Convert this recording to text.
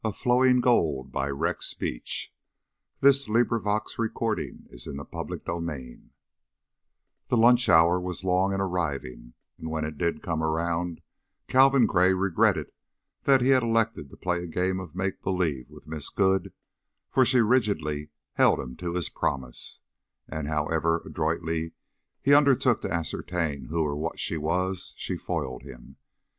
"Although, as you can imagine, I'm dying to ask a thousand." CHAPTER VIII The luncheon hour was long in arriving, and when it did come around Calvin Gray regretted that he had elected to play a game of make believe with "Miss Good," for she rigidly held him to his promise, and however adroitly he undertook to ascertain who or what she was, she foiled him.